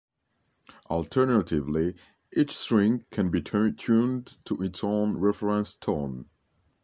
Alternatively, each string can be tuned to its own reference tone.